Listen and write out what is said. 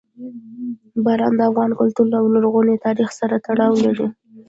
باران د افغان کلتور او لرغوني تاریخ سره تړاو لري.